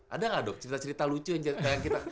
ada gak dok cerita cerita lu gitu